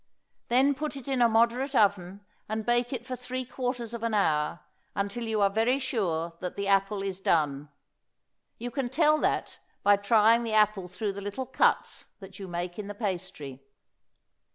Then put it in a moderate oven and bake it for three quarters of an hour, until you are very sure that the apple is done. You can tell that by trying the apple through the little cuts that you make in the pastry.